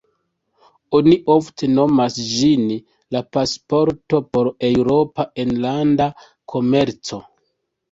Oni ofte nomas ĝin la "pasporto" por la Eŭropa enlanda komerco.